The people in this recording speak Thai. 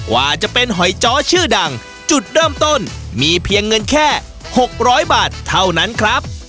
ว่าจะเป็นหอยจ้อชื่อดังจุดเริ่มต้นมีเพียงเงินแค่๖๐๐บาทเท่านั้นครับ